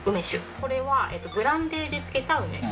これはブランデーで漬けた梅酒。